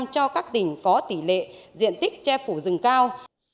cho các tỉnh có tỷ lệ diện tích che phủ rừng cao